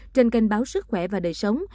trên kênh báo sức khỏe và đời sống